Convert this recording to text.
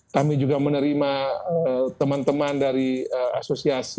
kami juga menerima teman teman dari asosiasi